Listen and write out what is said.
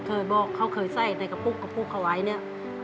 เคยบอกเขาเคยใส่ในกระปุกกระปุกเขาไว้เนี่ย